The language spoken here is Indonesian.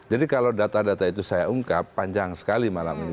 jadi kalau data data itu saya ungkap panjang sekali malam ini